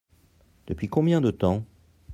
Depuis combien de temps ?